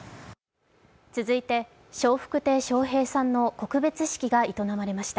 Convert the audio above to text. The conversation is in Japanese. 続いて笑福亭笑瓶さんの告別式が営まれました。